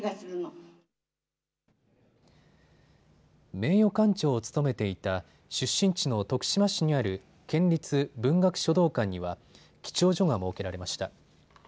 名誉館長を務めていた出身地の徳島市にある県立文学書道館には記帳所が設けられました。